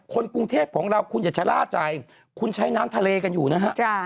คนกรุงเทพของเราคุณอย่าชะล่าใจคุณใช้น้ำทะเลกันอยู่นะฮะ